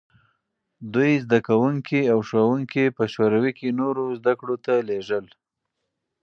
دوی زدکوونکي او ښوونکي په شوروي کې نورو زدکړو ته لېږل.